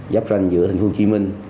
giáp tranh giữa tp hcm